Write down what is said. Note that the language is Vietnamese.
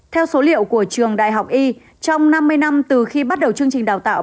theo số liệu của trường đại học y trong năm mươi năm từ khi bắt đầu chương trình đào tạo bác sĩ nội